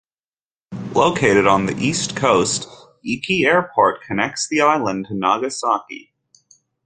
Located on the east coast Iki Airport connects the island to Nagasaki.